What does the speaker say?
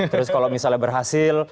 terus kalau misalnya berhasil